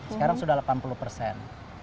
sekarang sudah delapan puluh persen